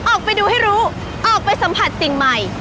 ออกไปดูให้รู้ออกไปสัมผัสสิ่งใหม่